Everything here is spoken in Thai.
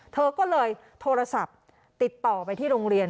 เธอก็เลยโทรศัพท์ติดต่อไปที่โรงเรียน